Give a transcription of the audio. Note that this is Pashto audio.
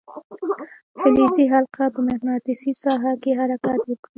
فلزي حلقه په مقناطیسي ساحه کې حرکت وکړي.